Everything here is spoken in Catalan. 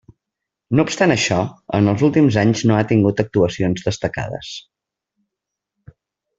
No obstant això, en els últims anys no ha tingut actuacions destacades.